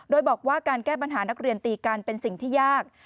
โดยบอกว่าการแก้ปัญหานักเรียนตีกันเป็นสิ่งที่ยาก